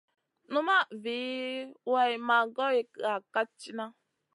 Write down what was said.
Numaʼ vi way maʼ goy ga kat tina.